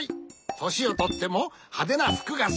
としをとってもはでなふくがすき！